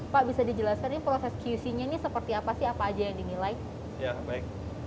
pak bisa dijelaskan ini proses qc nya ini seperti apa sih apa aja yang dinilai